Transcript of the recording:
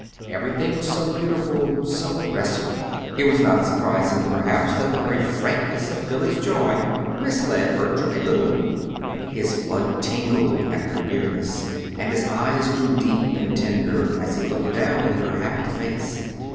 Everything was so beautiful, so restful! It was not surprising, perhaps, that the very frankness of Billy's joy misled Bertram a little. His blood tingled at her nearness, and his eyes grew deep and tender as he looked down at her happy face.